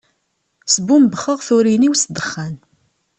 Sbumbxeɣ turin-iw s ddexxan.